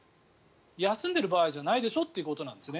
休んでいる場合じゃないでしょうということなんですね。